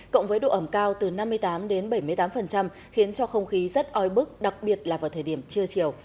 cộng với độ ẩm cao từ năm mươi tám đến bảy mươi tám khiến cho không khí rất oi bức đặc biệt là vào thời điểm trưa chiều